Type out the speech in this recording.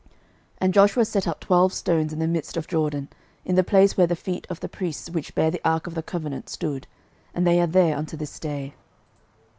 06:004:009 And Joshua set up twelve stones in the midst of Jordan, in the place where the feet of the priests which bare the ark of the covenant stood: and they are there unto this day.